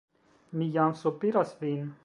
Mi jam sopiras vin!